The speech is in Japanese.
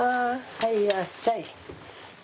はいいらっしゃい。